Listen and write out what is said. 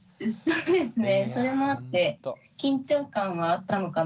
そうですよね。